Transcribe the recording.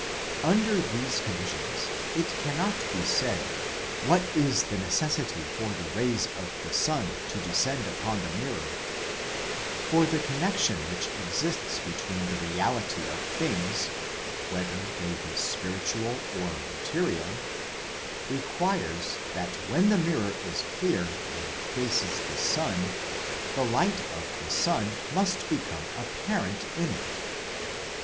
Under these conditions it cannot be said ' what is the necessity for the rays of the sun to descend upon the mirror ?' for the connection which exists between the reality of things, whether they be spiritual or material, requires that when the mirror is clear and faces the sun, the light of the sun must become apparent in it.